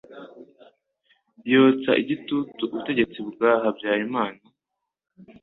yotsa igitutu ubutegetsi bwa Habyarimana